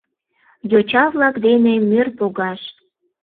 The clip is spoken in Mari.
Йоча-влак дене мӧр погаш.